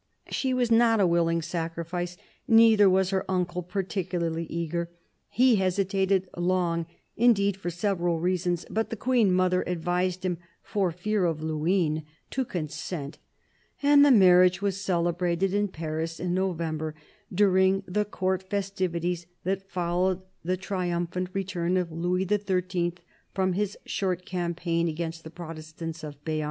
She was not a willing sacrifice ; neither was her uncle particularly eager; he hesitated long indeed for several reasons, but the Queen mother advised him, for fear of Luynes, to consent, and the marriage was celebrated in Paris in November, during the Court festivities that followed the triumphant return of Louis XHL from his short campaign against the Protestants of Beam.